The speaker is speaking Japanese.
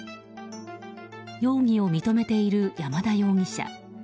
容疑を認めている山田容疑者。